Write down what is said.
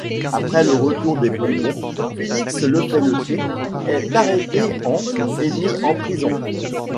Après le retour des Bourbons, Félix Lepeletier est arrêté en et mis en prison.